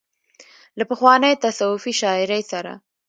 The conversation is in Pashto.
له پخوانۍ تصوفي شاعرۍ سره